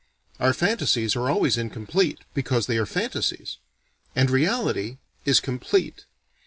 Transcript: Our fantasies are always incomplete, because they are fantasies. And reality is complete.